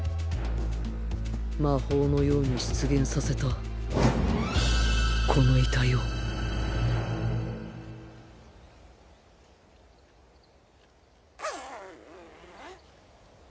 魔法のように出現させたこの遺体をえ